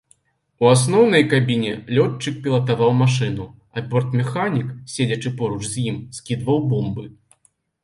У асноўнай кабіне лётчык пілатаваў машыну, а бортмеханік, седзячы поруч з ім, скідваў бомбы.